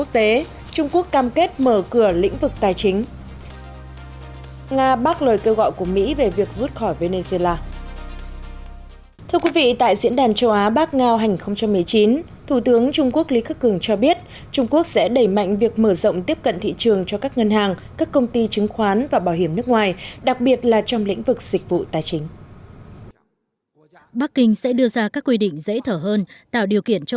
trong phần tin quốc tế trung quốc sẽ đẩy mạnh việc mở rộng tiếp cận thị trường cho các ngân hàng các công ty chứng khoán và bảo hiểm nước ngoài đặc biệt là trong lĩnh vực dịch vụ tài chính